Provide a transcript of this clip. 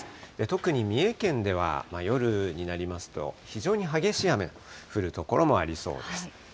特に三重県では、夜になりますと、非常に激しい雨、降る所もありそうです。